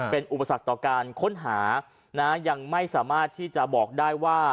เป็นอุปสรรคต่อการค้นหานะยังไม่สามารถที่จะบอกได้ว่า